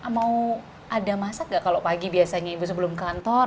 mau ada masak nggak kalau pagi biasanya ibu sebelum kantor